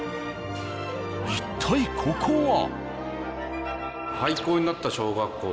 一体ここは？